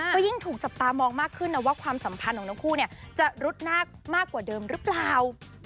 ก็ยิ่งถูกจับตามองมากขึ้นนะว่าความสัมพันธ์ของทั้งคู่จะรุดนาคมากกว่าเดิมหรือเปล่า